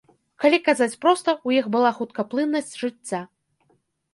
Калі казаць проста, у іх была хуткаплыннасць жыцця.